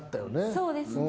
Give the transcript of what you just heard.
そうですね。